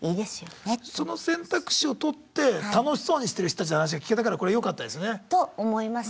その選択肢をとって楽しそうにしてる人たちの話が聞けたからこれよかったですね。と思います。